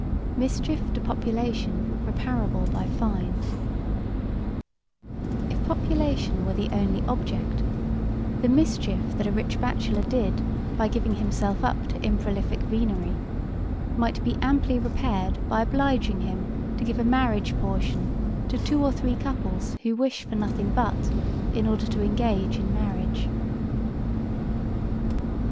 Mischief to population reparable by fine If population were the only object, the mischief that a rich batchelor did by giving him[self] up to improlific venery might be amply repaired by obliging him to give a marriage portion to two or three couples who wish for nothing but a in order to engage in marriage.